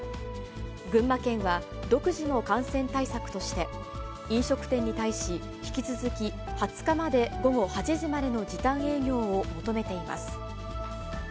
群馬県は独自の感染対策として、飲食店に対し、引き続き２０日まで午後８時までの時短営業を求めています。